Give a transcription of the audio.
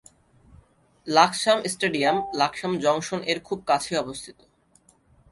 Laksam stadium Laksam junction এর খুব কাছেই অবস্থিত।